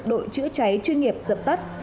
đội chữa cháy chuyên nghiệp dập tắt